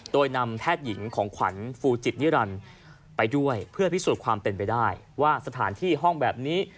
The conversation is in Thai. โดยนำแพทย์หญิงของขวัญฟูจิตนิรันดิ์ไปด้วยเพื่อพิสูจน์ความเป็นไปได้ว่าสถานที่ห้องแบบนี้